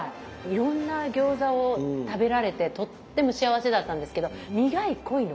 いろんな餃子を食べられてとっても幸せだったんですけど苦い恋の思い出。